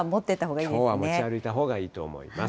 きょうは持ち歩いたほうがいいと思います。